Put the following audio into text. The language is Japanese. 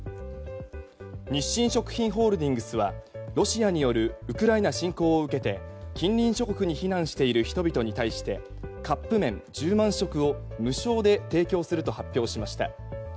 日清食品ホールディングスはロシアによるウクライナ侵攻を受けて近隣諸国に避難している人々に対しカップ麺１０万食を無償で提供すると発表しました。